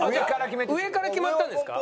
上から決まったんですか？